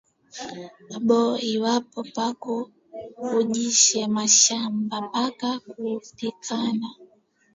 Bo lwabo paku ujisha mashamba paka kupikana